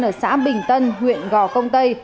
ở xã bình tân huyện gò công tây